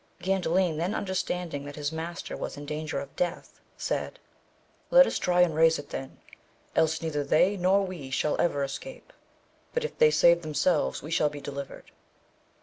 Gandalin then understanding that his^a^ter was in danger of death said, let us try to raise it then, else neither they nor we shall ever escape, but if they save themselves we shall be delivered.